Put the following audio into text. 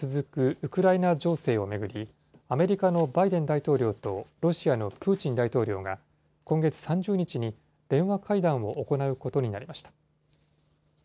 ウクライナ情勢を巡り、アメリカのバイデン大統領とロシアのプーチン大統領が、今月３０日に電話会談を行うことになりました。